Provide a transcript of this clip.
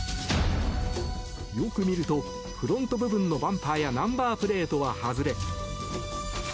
よく見るとフロント部分のバンパーやナンバープレートは外れ。